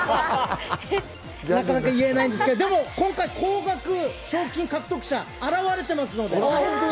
なかなか言えないんですけど、今回、高額賞金獲得者が現れています。